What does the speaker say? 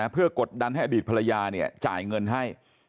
เพื่อกดดันให้ิสภายน์ภรรยาเงินให้